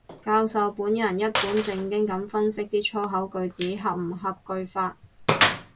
教授本人一本正經噉分析啲粗口句子合唔合句法